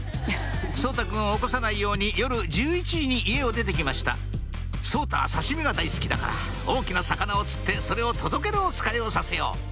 颯太くんを起こさないように夜１１時に家を出て来ました「颯太は刺身が大好きだから大きな魚を釣ってそれを届けるおつかいをさせよう」